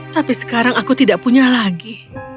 tapi sekarang aku tidak punya lagi